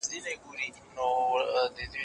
زه بايد درسونه اورم،